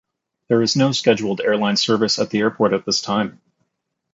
There is no scheduled airline service at the airport at this time.